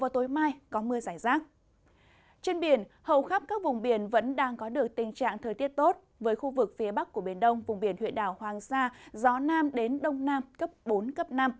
trên biển hầu khắp các vùng biển vẫn đang có được tình trạng thời tiết tốt với khu vực phía bắc của biển đông vùng biển huyện đảo hoàng sa gió nam đến đông nam cấp bốn cấp năm